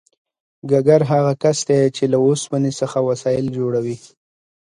ګګر هغه کس دی چې له اوسپنې څخه وسایل جوړوي